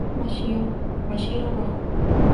Mashiro, Bajo.